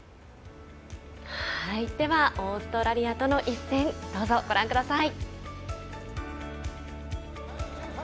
オーストラリアとの一戦どうぞ、ご覧ください。